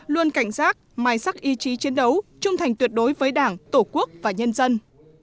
luôn cảnh giác mai sắc ý chí chiến đấu trung thành tuyệt đối với đảng tổ quốc và nhân dân